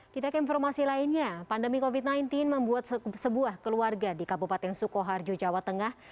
kita ke informasi lainnya pandemi covid sembilan belas membuat sebuah keluarga di kabupaten sukoharjo jawa tengah